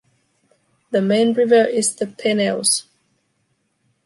The main river is the Peneus.